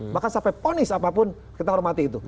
bahkan sampai ponis apapun kita hormati itu